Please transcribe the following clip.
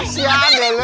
tunggu tunggu tunggu